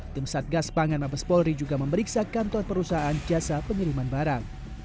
tim satgas pangan mabes polri juga memeriksa kantor perusahaan jasa pengiriman barang